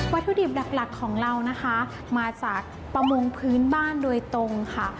ถุดิบหลักของเรานะคะมาจากประมงพื้นบ้านโดยตรงค่ะ